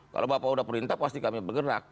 kalau bapak sudah perintah pasti kami bergerak